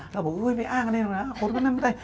เราบอกอุ๊ยไม่อ้างอะไรนะโคตรก็นั่นไม่ได้